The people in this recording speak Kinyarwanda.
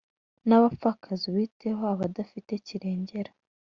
Nabapfakazi ubiteho abadafite kirengera